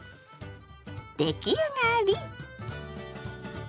出来上がり！